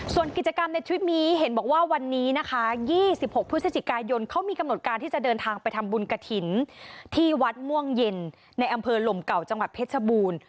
ส่วนกิจกรรมในทริปนี้เห็นบอกว่าวันนี้นะคะ๒๖พฤศจิกายนเขามีกำหนดการที่จะเดินทางไปทำบุญกระถิ่นที่วัดม่วงเย็นในอำเภอลมเก่าจังหวัดเพชรบูรณ์